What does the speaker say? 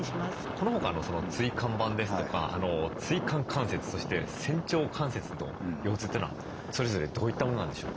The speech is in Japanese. その他の椎間板ですとか椎間関節そして仙腸関節の腰痛というのはそれぞれどういったものなんでしょうか？